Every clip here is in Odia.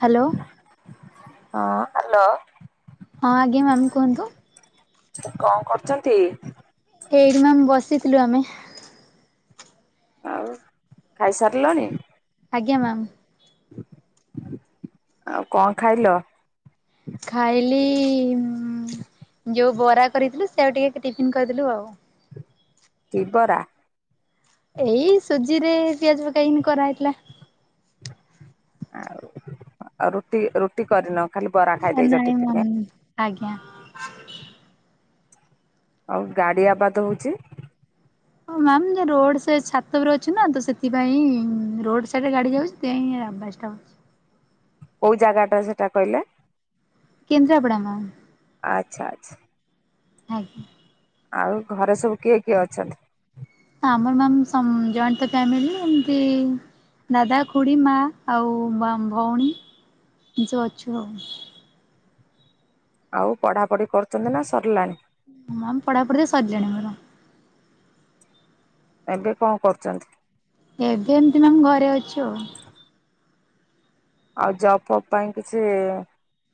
ହ୍ୟାଲୋ ହଁ ହାଲୋ। ହଁ ଆଜ୍ଞା ମ୍ୟାମ୍ କୁହନ୍ତୁ। କଣ କରୁଛନ୍ତି? ଏଇଠି ମ୍ୟାାମ ବସିଥିଲୁ ଆମେ ଆଉ ଖାଇସାରିଲଣି? ଆଜ୍ଞା ମ୍ୟାମ୍। ଆଉ କଣ ଖାଇଲ? ଖାଇଲି ଉଁ ଯୋଉ ବରା କରିଥିଲୁ ସେଆ ଟିକେ ଟିଫିନ୍ କରିଦେଲୁ ଆଉ।। କି ବରା? ଏଇ ସୁଜି ରେ ପିଆଜ ପକାହେଇନି କରା ହେଇଥିଲା। ଆଉ ଆଉ ରୁଟି ରୁଟି କରିନ ଖାଲି ବରା ଖାଇ ଦେଇଛ ନାଇଁ ମ୍ୟାମ୍ ଟିଫିନ ଆଜ୍ଞା। ଆଉ ଗାଡ଼ି ଆବାଦ ହେଉଛି। ହଁ ମ୍ୟାାମ ରୋଡ ସେ ଛାତ ଉପରେ ଅଛି ନା ତ ସେଥିପାଇଁ ରୋଡ ସାଇଡରେ ଗାଡି ଯାଉଛି। [unintelligible] କୋଉ ଜାଗାଟା ସେଟା କହିଲେ। କେନ୍ଦ୍ରାପଡ଼ା ମ୍ୟାମ୍। ଆଚ୍ଛା ଆଚ୍ଛା। ଆଜ୍ଞା। ଆଉ ଘରେ ସବୁ କିଏ କିଏ ଅଛନ୍ତି? ଆମର ମାମ ସମ୍ ଜଏଣ୍ଟ ତ ଫ୍ୟାମିଲି ଏମତି। ଦାଦା ଖୁଡି ମା ଆଉ ଭଉଣୀ ଯ ଅଛୁ ଆଉ। ଆଉ ପଢ଼ାପଢ଼ି କରୁଛନ୍ତି ନା ସରିଲାଣି। ହଁ ପଢ଼ା ପଢି ସରିଲାଣି ମୋର। ଏବେ କଣ କରୁଛନ୍ତି? ଏବେ ଏମିତି ମାମ ଘରେ ଅଛି ଆଉ। [inaudible] ଆଉ ଜବ ଫବ୍ ପାଇଁ କିଛି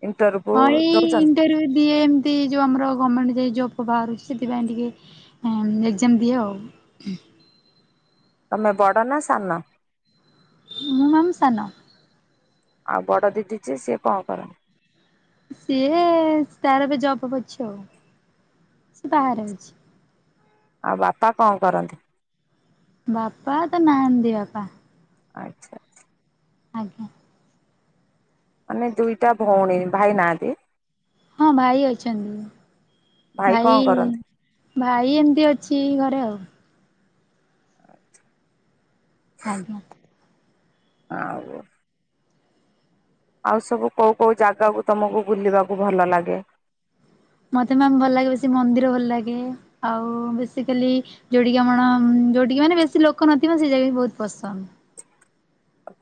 ଇଣ୍ଟରବ୍ୟୁ। ହଁ ଏଇ ଇଣ୍ଟରଭ୍ୟୁ ଦିଏ। ସେ ଯଉ ଆମର ଗଭର୍ଣ୍ଣମେଣ୍ଟ ଯ ଜବ୍ ବାହାରୁଛି ସେଥିପାଇଁ ଟିକେ ଏକଜାମ ଦିଏ ଆଉ। ତମେ ବଡ଼ ନା ସାନ। ମୁଁ ମାମ୍ ସାନ। ଆଉ ବଡ଼ ଦିଦି ଯେ ସିଏ କଣ କରନ୍ତି? ସିଏ ତାର ଏବେ ଜବ ଅଛି ଆଉ। ବାହାରେ ଅଛି। ଆଉ ବାପା କଣ କରନ୍ତି? ବାପା ତ ନାହାନ୍ତି ବାପା। ଆଚ୍ଛା। ଆଜ୍ଞା। ମାନେ ଦୁଇଟା ଭଉଣୀ ଭାଇ ନାହାନ୍ତି। ହଁ ଭାଇ ଅଛନ୍ତି କଣ ଭାଇ। କରନ୍ତି? ଭାଇ ଏମତି ଅଛି ଘରେ ଆଉ। ଆଜ୍ଞା। ଆଉ। ଆଉ ସବୁ କେଉ କଉ ଜାଗାକୁ ତମକୁ ବୁଲିବାକୁ ଭଲ ଲାଗେ? ମତେ ମ୍ୟାମ ଭଲ ଲାଗେ ବେଶୀ ମନ୍ଦିର ଭଲ ଲାଗେ। ଆଉ ବେସିକାଲି। ଯୋଉଠି କିି ଆମର ଯୋଉଠିକି ମାନେ ବେଶୀ ଲୋକ ନଥିବା ସେଇଟା ବି ବହୁତ ପସନ୍ଦ।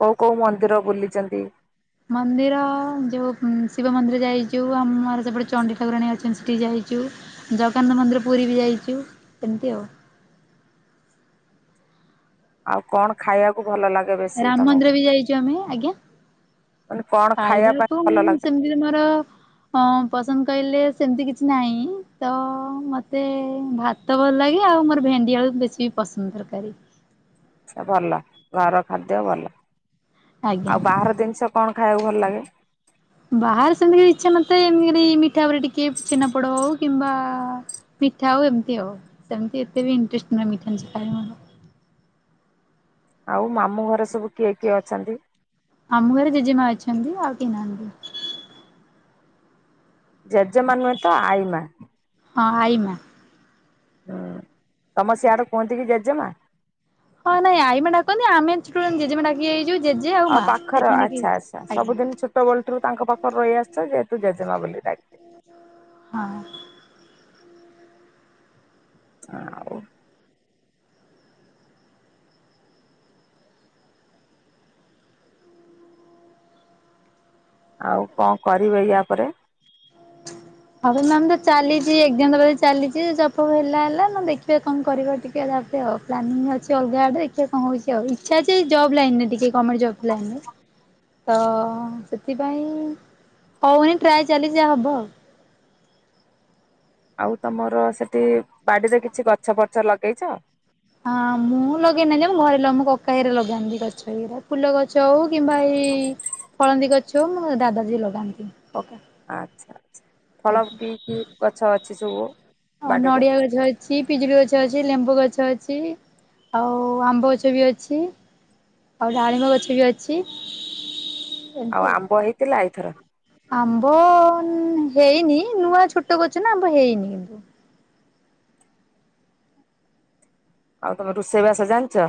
କୋଉ କୋଉ ମନ୍ଦିର ବୁଲିଛନ୍ତି? ମନ୍ଦିର ଯେଉଁ ଶିବ ମନ୍ଦିର ଯାଇଛୁ ଆମର ସେପଟେ ଚଣ୍ଡି ଠାକୁରାଣୀ ଅଛନ୍ତି ସେଠି ଯାଇଛୁ। ଜଗନ୍ନାଥ ମନ୍ଦିର ପୁରୀ ବି ଯାଇଛୁ ସେମିତି ଆଉ। ଆଉ କଣ ଖାଇବାକୁ ଭଲ ଲାଗେ ବେଶୀ ରାମ ମନ୍ଦିର ତମକୁ? ବି ଯାଇଚୁ ଆମେ ଆଜ୍ଞା ମାନେ କଣ ଖାଇବା ପାଇଁ ଭଲ ଲାଗେ? ସିନେମର। ହଁ ପସନ୍ଦ କହିଲେ ସେମିତି କିଛି ନାହିଁ ତ ମୋତେ ଭାତ- ଭାତ ଭଲ ଲାଗେ ଆଉ ମୋର ଭେଣ୍ଡି ଆଳୁ ବେଶୀ ବି ପସନ୍ଦ ତରକାରୀ। ଆଛ ଭଲ ଘର ଖାଦ୍ୟ ଭଲ। ଆଜ୍ଞା। ଆଉ ବାହାର ଜିନିଷ କଣ ଖାଇବାକୁ ଭଲ ଲାଗେ? ବାହାରେ ସେମିତିକ ଇଚ୍ଛା ମୋତେ ଏମତି ମିଠା ଉପରେ ଟିକେ ଛେନାପୋଡ ହଉ କିମ୍ବା- ମିଠା ଆଉ ଏମିତି ଆଉ। ସେମିତି ଏତେ ବି ଇଣ୍ଟରେଷ୍ଟ ନୁହେଁ ମିଠା ଖା- ଆଉ ମାମୁଁ ଘରେ ସବୁ କିଏ କିଏ ଅଛନ୍ତି। ମାମୁ ଘରେ ଜେଜେମା ଅଛନ୍ତି ଆଉ କେହି ନାହାନ୍ତି। ଜେଜେମା ନୁହେଁ ତ ଆଇ ମା। ହଁ ଆଇ ମା। ହୁଁ ତମ ସେଆଡେ଼ କୁହନ୍ତି କିି ଜେଜେମା। ହଁ ନାଇଁ ଆଇ ଡାନ୍ତି ଆମେ ଛୋଟ ବେଳେ ଜେଜେମା ଡା ଆଉ ପାଖରେ ଆଚ୍ଛା ଆଚ୍ଛା ଆଜ୍ଞା ସବୁଦିନ ଛୋଟବେଳ ରୁ ତାଙ୍କ ପାଖରେ ରହି ଆସଛ ଯେ ଜେଜେମା ବୋଲି ଡାକେ। ହଁ। ଆଉ। ଆଉ କଣ କରିବେ ୟା ପରେ। ହ ମାମ ତ ଚାଲିଛି ଏଗଜାମ ଦେବାରେ ଚାଲିଛି ଜବ ଫବ ହେଲା ହେଲା ନହେଲେ ଦେଖିବା କଣ କରିବ ଟିକେ ତାପରେ ଆଉ। ପ୍ଳାନିଙ୍ଗୀ ଅଛି ଅଲଗା ଆଡେ ଦିଖିବା କଣ ହଉଛି ଆଉ ଇଛା ଜବ ଲାଇନ ରେ ଟିକେ ଗମେଣ୍ଟ ଜବ ଲାଇନ ରେ। ତ ସେଥିପାଇଁ ହଉନି ଟ୍ରାଏ ଚାଲି ଯାହା ହବ ଆଉ। ଆଉ ତମର ସେଠି ବାଡିରେ କିଛି ଗଛ ଫଛ ଲଗେଇଛ। ହଁ ମୁଁ ଲଗେଇନାହାଁ ଯେ ମୋ ଘରେ ଲ କକା ହେରା ଲଗାନ୍ତି ଗଛ ଗୁରା ଫୁଲ ଗଛ। ଗଛ ହଉ କିମ୍ବା ଏଇ ଫଳନ୍ଦୀ ଗଛ ହଉ ମୋ ଦାଦାଜୀ ଲଗାନ୍ତି କକା। ଆଚ୍ଛା ଆଛା ଫଳ ଆଜ୍ଞା। କି କି ଗଛ ଅଛି ସବୁ ଅ ବାଡ଼ିରେ। ନଡ଼ିଆ ଗଛ ଅଛି ପିଜୁଳି ଗଛ ଅଛି ଲେମ୍ବୁ ଗଛ ଅଛି ଆଉ ଆମ୍ବ ଗଛ ବି ଅଛି। ଆଉ ଡାଳିବ ଗଛ ବି ଅଛି। ଆଉ ଆମ୍ବ ହେଇଥିଲା ଏଇଥରକ। ଆମ୍ବ ହେଇନି ନୂଆ ଛୋଟ ଗଛ ନା ଆମ୍ବ ହେଇନି କିନ୍ତୁ। ଆଉ ତମେ ରୋଷେଇବାସ ଜାଣିଛ।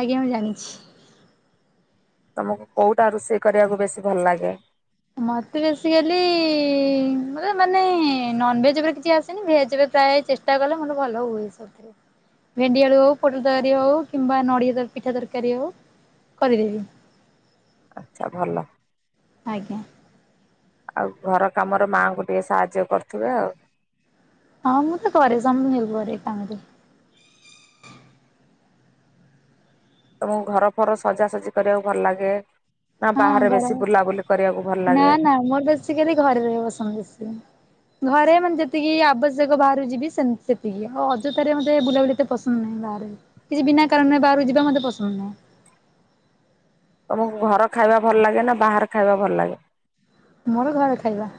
ଆଜ୍ଞା ମୁଁ ଜାଣିଛି। ତମକୁ କୋଉଟା ରୋଷେଇ କରିବାକୁ ବେଶୀ ଭଲ ଲାଗେ। ମତେ ବେସିକାଲି ମ ମାନେ ନ୍ନଭେଜ ଉପରେ କିଛି ଆସେନି ଭେଜରେ ପ୍ରାୟ ଚେଷ୍ଟା ଚେଷ୍ଟା କଲେ ମୋର ଭଲ ହୁଏ ସେଥିରେ। ଭେଣ୍ଡିଆଳୁ ହଉ ପୋଟଳ ତରକାରୀ ହଉ କିମ୍ବା ନଡ଼ିଆ ପିଠା ତରକାରୀ ହଉ କରିଦେବି। ଆଚ୍ଛା ଭଲ। ଆଜ୍ଞା। ଆଉ ଘର କାମରେ ମାଆଙ୍କୁ ଟିକେ ସାହାଯ୍ୟ କରୁଥିବେ ଆଉ। ହଁ ମୁଁ ତ କରେ ସମନ୍ତିକୁ କରେ କାମରେ। ତମକୁ ଘର ଫର ସଜାସଜି କରିବାକୁ ଭଲ ଲାଗେ। ନା ହଁ ବାହାରେ ଘର ବେଶୀ ବୁଲାବୁଲି କରିବାକୁ ଭଲ ଲାଗେ। ସେ ଖାଲି ଘରେ ରବା ପସନ୍ଦ କରେ। ଘରେ ମାନେ ଯେତିକି ଆବଶ୍ୟକ ବାହାରୁ ଯିବି ସେତିକି ଆଉ ଅଯଥାରେ ମତେ ବୁଲାବୁଲିତ ପସନ୍ଦ ନାହିଁ ବାହାରେ କିଛି ବିନା କାରଣରେ ବାହାରୁ ଯିବା ମୋତେ ପସନ୍ଦ ନାହିଁ। ତମକୁ ଘର ଖାଇବା ଭଲ ଲାଗେ ନା ବାହାର ଖାଇବା ଭଲ ଲାଗେ। ମୋର ଘରେ ଖାଇବା।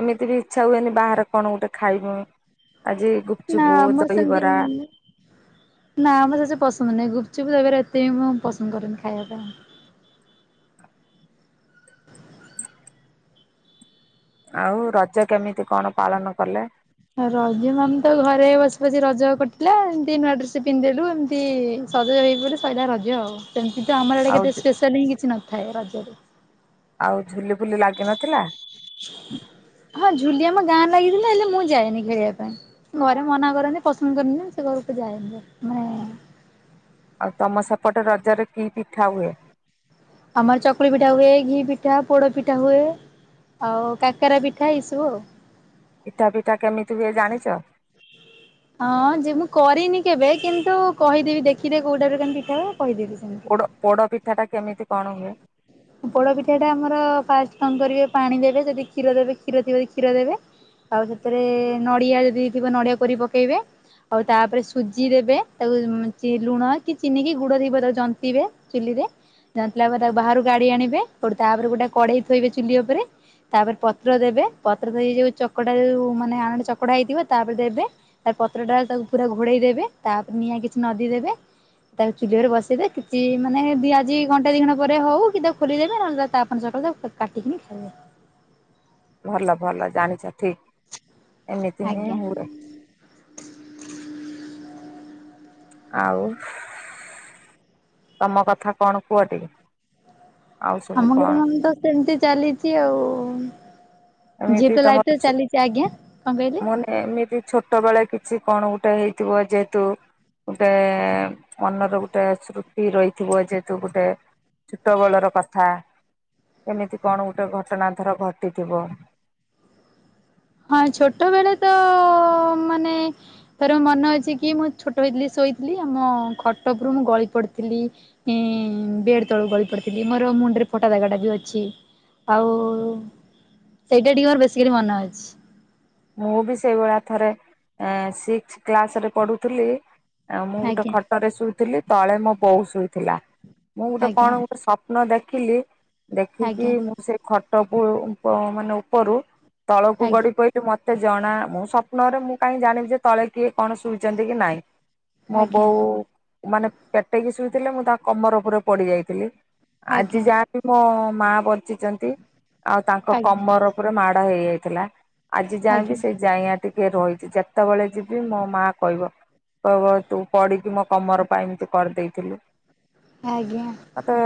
ଏମିତି ବି ଇଚ୍ଛା ହୁଏନି ବାହାରେ କଣ ଗୋଟେ ଖାଇବୁ ଆଜି ଗୁ ନାଁ ମୋର ସେମତି ନୁହଁ। ନା ମ ସେତେ ପସନ୍ଦ ନାହିଁ ଗୁପଚୁପ୍ ଦହି ବାର ଏତେ ମୁଁ ପସନ୍ଦ କରରେନି ଖାଇବା ପାଇଁ। ଆଉ ରଜ କେମିତି କଣ ପାଳନ କଲେ। ରଜ ମାମ ତ ଘରେ ବସି ବସି ରଜ କଟିଲା ଏମିତି ନୂଆ ଡ୍ରେସ ପିନ୍ଧିଦେଲୁ ଏମିତି ସଜ ହେ ସରିଲା ରଜ ଆଉ ସେମିତି ତ ଆମର ଆଡ଼େ ଆଉ କେତେ ସ୍ପେଶାଲ୍ ହିଁ କିଛି ନ ଥାଏ ରଜରେ ଆଉ ଝୁଲି ଫୁଲି ଲାଗିନଥିଲା। ହଁ ଝୁଲି ଆମ ଗାଁ ଲାଗିଥିଲା ହେଲେ ମୁଁ ଯାଏନି ଖେଳିବା ପାଇଁ। ଘରେ ମନା କରନ୍ତି ପସନ୍ଦ କରନ୍ତି ମୁ ସେ ଘରକୁ ଯାନ୍ତି ମାନେ ଆଉ ତମ ସେପଟ ରଜରେ କି ପିଠା ହୁଏ। ଆମର ଚକୁଳି ପିଠା ହୁଏ ଘି ପିଠା ପୋଡ ପିଠା ହୁଏ। ଆଉ କାକରା ପିଠା ଏଇ ସବୁ ଆଉ। ପିଠା ପିଠା କେମିତି ହୁଏ ଜାଣିଛ। ହଁ ଯେ ମୁଁ କରିନି କେବେ କିନ୍ତୁ କହିଦେବି ଦେଖିଦେ କୋଉଟାରୁ କେମତି ପିଠା ହବ କହିଦେବି। ସେମିତି। ପୋଡ ପିଠା ଟା କେମିତି କଣ ହୁଏ? ଉପଳ ପିଠାଟା ଆମର ଫାଷ୍ଟ କଣ କରିବେ ପାଣି ଦେବେ ଯଦି କ୍ଷୀର ଦେବେ କ୍ଷୀର ଥିବ ଯଦି କ୍ଷୀର ଦେବେ। ଆଉ ସେଥିରେ ନଡିଆ ଯଦି ଥିବ ନଡିଆ କରି ପକେଇବେ। ଆଉ ତାପରେ ସୁଜି ଦେବେ ତାକୁ ଲୁଣ କି ଚିନି କିି ଗୁଡ ଥିବ ତାକୁ ଜନ୍ତିବେ। ଚୁଲିରେ ଜାିଲା ପରେ ତାକୁ ବାହାରାରୁ ଗାଡି ଆଣିବେୋ ତାପରେ ଗୋଟେ କଡେଇ ଥୋଇବେ ଚୁଲି ଉପରେ। ତାପରେ ପତ୍ର ଦେବେ ପତ୍ର ଦେଇ ଯୋଉ ଚକଟା ଯୋଉ ମାନେ ଆଣଟ ଚକଡା ହେଇଥିବ ତାପରେ ଦେବେ। ତା ପତ୍ରଟା ତାକୁ ପୁରା ଘୋଡ଼େଇ ଦେବେ ତାପରେ ନିଆଁ କିଛି ନଦୀ ଦେବେ। ତାକୁ ଚୁଲି ଉପରେ ବସେଇଦେ କିଛି ମାନେ ଦି ଆଜି ଘଣ୍ଟେ ଦି ଘଣ୍ ପରେ ହଉ। କିଦ ଖୋଲିଦେବେ ନହେଲେ ତାପଣ ସକାଳ ତ କାକି ଖାଇବେ। ଭଲ ଭଲ ଜାଣିଛ ଠିକ ଏମିତି ହିଁ ଆଜ୍ଞା ହୁଏ। ଆଉ। ତମ କଥା କଣ କୁହ ଟିକେ? ଆଉ ସବୁ ଆମ କଣ? ଗର ତ ସେମିତି ଚାଲିଛି ଆଉ। ଏମିତି ଝିଏ ତ ତମର ଲାଇଫ ଛୁ ଚାଲିଛି ଆଜ୍ଞା କଣ କହିଲି। ମାନେ ଏମିତି ଛୋଟ ବେଳେ କିଛି କଣ ଗୋଟେ ହେଇଥିବ ଯେହେତୁ। ଗୋଟେ ମନର ଗୋଟେ ସ୍ମୁତି ରହିଥିବ ଯେହେତୁ ଗୋଟେ। ଛୋଟ ବେଳର କଥା ଏମିତି କଣ ଗୋଟେ ଘଟଣା ଧର ଘଟିଥିବ। ହଁ ଛୋଟ ବଳେ ତ ମାନେ ତର ମନେ ଅଛି କି ମୁଁ ଛୋଟ ହେଇଥିଲି ଶୋଇଥିଲି ଆମ ଖଟ ଉପରୁ ମୁଁ ଗଳି ପଡିଥିଲି। ହଁ ବେଡ ତଳକୁ ଗଳି ପଡିଥିଲି ମୋର ମୁଣ୍ଡରେ ଫୋଟା ଦାଗା ଟା ବି ଅଛି। ଆଉ ସେଇଟା ଟିକେ ମୋର ବେଶୀକରି ମନେ ଅଛି। ମୁଁ ବି ସେଇଭଳିଆ ଥରେ ସିକ୍ସ କ୍ଲାସରେ ପଢ଼ୁଥିଲି। ଆ ମୁଁ ଗୋଟେ ଆଜ୍ଞା ଖଟରେ ଶୋଇଥିଲି ତଳେ ମୋ ବୋଉ ଶୋଇଥିଲା ମୁଁ ଗୋଟେ ଆଜ୍ଞା କଣ ସ୍ୱପ୍ନ ଦେଖିଲି ଦେଖିକି ଆଜ୍ଞା। ମୁଁ ସେ ଖଟ ପୁ ମାନେ ଉପରୁ ତଳକୁ ଆଜ୍ଞା ଗଡି ପ ମତେ ଜଣା ମୁଁ ସ୍ୱପ୍ନରେ ମୁଁ କାହିଁ ଜାଣିବି ଯେ ତଳେ କିଏ କଣ ଶୋଇଛନ୍ତି କି ନାଇଁ। ମୋ ଆଜ୍ଞା ବୋଉ ମାନେ ପେଟେଇକି ଶୋଇଥିଲେ ମୁଁ ତା କମର ଉପରେ ପଡିଯାଇଥିଲି। ଆଜି ଆଜ୍ଞା ଯାହାବି ମୋ ମା ବଞ୍ଚିଛନ୍ତି ଆଉ ତାଙ୍କ ଆଜ୍ଞା କମର ପୁରା ମାଡ଼ ହେଇଯାଇଥିଲା। ଆଜି ଯାଏଁବି ଆଜ୍ଞା ସେଇ ଜାଇଆ ଟିକେ ରହିଛି ଯେତେବେଳେ ଯିବି ମୋ ମା କହିବ। କ ତୁ ପଢିକି ମୋ କମର ପାଇଁ ଏମିତି କରିଦେଇଥିଲୁ ଆଜ୍ଞା। ମ ତ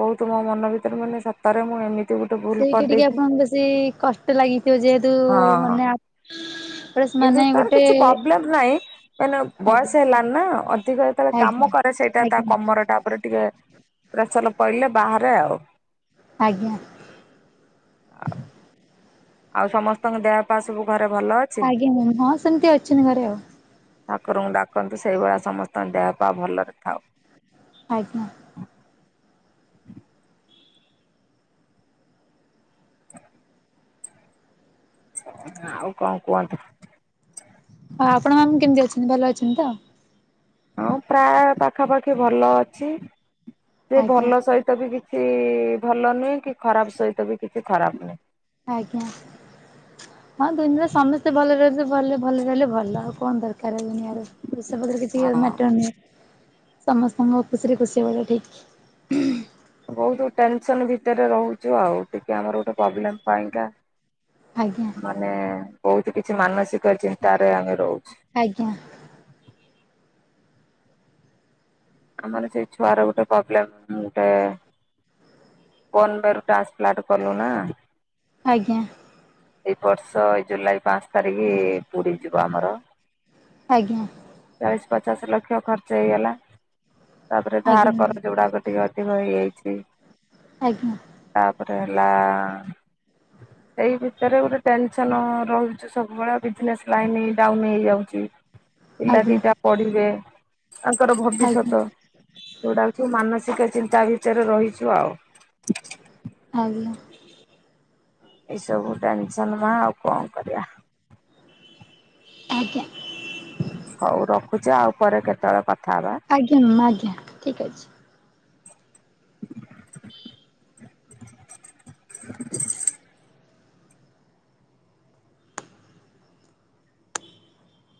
ବହୁତ ମୋ ମନ ଭିତରେ ମାନେ ସତରେ ମୁଁ ଏମିତି ଗୋଟେ ଭୁଲ ସେଇଟା ଟିକେ କରିଦେଇଥିଲି। ଆପଣଙ୍କୁ ବେଶୀ କଷ୍ଟ ଲାଗିଥିବ ଯେହେତୁ ମାନେ ପ୍ରେସ୍ ମାନେ ହିନ୍ଦୁସ୍ଥାନ ଗୋଟେ କିଛି ପ୍ରୋବ୍ଲେମ ନାହିଁ ମାନେ ଆଜ୍ଞା ବୟସ ହେଲାଣି ନା ଅଧିକ। ଯେତଳେ ଆଜ୍ଞା କାମ କରେ ସେଇଟା ତା ଆଜ୍ଞା କମରଟା ଉପରେ ଟିକେ ପ୍ରେସର ପଇଲେ ବାହାରେ ଆଉ। ଆଜ୍ଞା। ଆଉ ସମସ୍ତଙ୍କ ଦେହ ପା ସବୁ ଘରେ ଭଲ ଅ ଆଜ୍ଞା ମୁ ହଁ ସେମିତି ଅଛନ୍ତି ଘରେ ଆଉ। ଠାକୁରଙ୍କୁ ଡାକନ୍ତୁ ସେଇଭଳିଆ ସମସ୍ତଙ୍କ ଦେହ ପା ଭଲରେ ଥାଉ। ଆଜ୍ଞା। ଆଉ କଁ କୁହନ୍ତୁ? ହଁ ଆପଣ ମାନେ କେମିତି ଅଛନ୍ତି ଭଲ ଅଛନ୍ତି ତ? ହଁ ପ୍ରାୟ ପାଖାପାଖି ଭଲ ଅଛି, ସେ ଆଜ୍ଞା ଭଲ ସହିତ ବି କି ଛି ଭଲ ନୁହେଁ କି ଖରାପ ସହିତ ବି କିଛି ଖରାପ ନୁହେଁ। ଆଜ୍ଞା। ହଁ ଦୁନିଆରେ ସମସ୍ତେ ଭଲ ରହିବେ ଭଲ ଭଲରେ ରହିଲେ ଭଲ ଆଉ କଁ ଦରକାର ଏ ଦୁନିଆରେ। ପଇସା ପତ୍ର କିଛି ହଁ। ମ୍ୟାଟର ନୁହେଁ ସମସ୍ତଙ୍କ ଖୁସିରେ ଖୁସି ହେବାଟା ଠିକ୍। ବହୁତ ଟେନସନ ଭିତରେ ରହୁଚୁ ଆଉ ଟିକେ ଆମର ଗୋଟେ ପ୍ରୋବ୍ଲେମ ପାଇଁ କା ଆଜ୍ଞା। ମାନେ ବହୁତ କିଛି ମାନସିକ ଚିନ୍ତାରେ ଆମେ ରହୁଚୁ। ଆଜ୍ଞା। ଆମର ସେଇ ଛୁଆର ଗୁଟେ ପ୍ରୋବ୍ଲେମ ଗୁଟେ [unintelligible] ଟ୍ରାନ୍ସପ୍ଲାଣ୍ଟ କଲୁ ନା ଆଜ୍ଞା। ଏଇ ବର୍ଷ ଏଇ ଜୁଲାଇ ପାଞ୍ଚ ତାରିଖ୍ ପୁରୀ ଯିବ ଆମର। ଆଜ୍ଞା। ଚାଳିଶ ପଚାଶ ଲକ୍ଷ ଖର୍ଚ୍ଚ ହେଇଗଲା ତାପରେ ଧାର ଆଜ୍ଞା କରଜ ଗୁଡାକ ଟିକେ ଅଧିକ ହେଇଯାଇଚି। ଆଜ୍ଞା। ତାପରେ ହେଲା ଏଇ ଭି ଭିତରେ ଗୋଟେ ଟେନସନ ରହୁଚି ସବୁବେଳେ ବିଜିନେସ ଲାଇନ ଡାଉନ ହେଇଯାଉଚି। ପିଲା ଆଜ୍ଞା ଦିଟା ପଢିବେ ତାଙ୍କର ଆଜ୍ଞା ଭବିଷ୍ୟତ। ଯଉଟାକି ମାନସିକ ଚିନ୍ତା ଭିତରେ ରହିଚୁ ଆଉ। ଆଜ୍ଞା। ଏସବୁ ଟେନସନ୍ ମା ଆଉ କଁ କରିବା? ଆଜ୍ଞା। ହଉ ରଖୁଚି ଆଉ ପରେ କେତବେଳେ କଥା ହବା। ଆଜ୍ଞା ମାମ୍ ଆଜ୍ଞା ଠିକ୍ ଅଛି। [unintelligible]